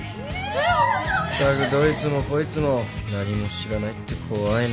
ったくどいつもこいつも何も知らないって怖いね。